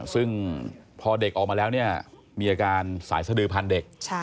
ซึ่งพอเด็กออกมาแล้วเนี่ยมีอาการสายสดือพันธุ์เด็ก